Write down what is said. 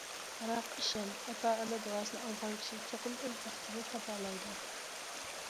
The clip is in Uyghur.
بىراق ئىشەن، ئاتا- ئانا دۇئاسىنى ئالغان كىشى چوقۇم ئۆز بەختىنى تاپالايدۇ.